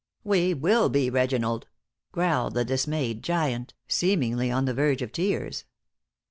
"We will be, Reginald," growled the dismayed giant, seemingly on the verge of tears.